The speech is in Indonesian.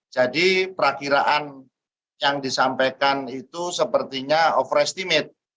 jadi perakhiraan yang disampaikan itu sepertinya overestimate